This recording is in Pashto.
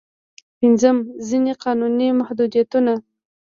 پنځم: ځينې قانوني محدودیتونه.